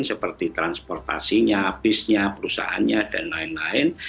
seperti transportasinya bisnya perusahaannya dan lain lain